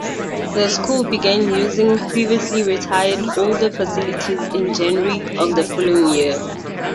The school began using previously retired older facilities in January of the following year.